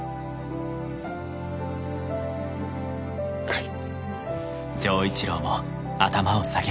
はい。